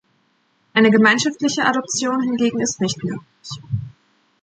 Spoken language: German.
Eine gemeinschaftliche Adoption hingegen ist nicht möglich.